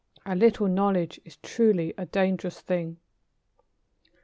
A little knowledge is truly a dangerous thing.